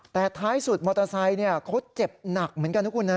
แต่ท้ายสุดมอเตอร์ไซค์เขาเจ็บหนักเหมือนกันนะคุณนะ